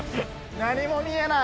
何も見えない。